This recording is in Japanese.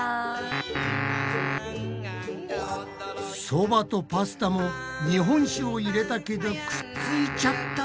そばとパスタも日本酒を入れたけどくっついちゃった。